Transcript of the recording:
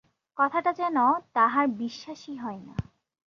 কথাটা যেন তাহার বিশ্বাসই হয় না।